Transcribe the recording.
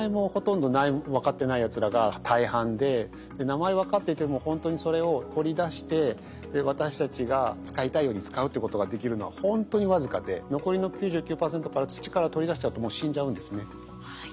名前分かっていてもほんとにそれを取り出して私たちが使いたいように使うってことができるのはほんとに僅かで残りの９９％から土から取り出しちゃうともう死んじゃうんですね。